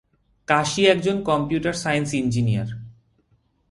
কাশী একজন computer science engineer.